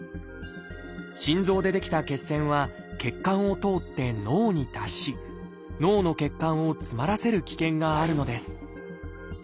心臓で出来た血栓は血管を通って脳に達し脳の血管を詰まらせる危険があるのです。